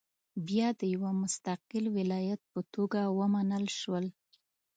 بیا د یو مستقل ولایت په توګه ومنل شول.